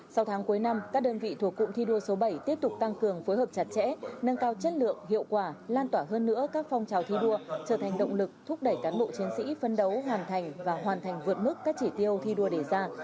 sau tháng cuối năm các đơn vị thuộc cụm thi đua số bảy tiếp tục tăng cường phối hợp chặt chẽ nâng cao chất lượng hiệu quả lan tỏa hơn nữa các phong trào thi đua trở thành động lực thúc đẩy cán bộ chiến sĩ phân đấu hoàn thành và hoàn thành vượt mức các chỉ tiêu thi đua đề ra